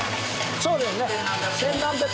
そうですね。